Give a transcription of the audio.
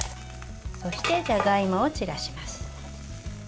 そして、じゃがいもを散らします。